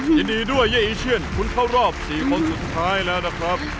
ยินดีด้วยเย้อีเชียนคุณเข้ารอบ๔คนสุดท้ายแล้วนะครับ